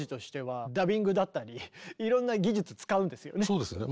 そうですね。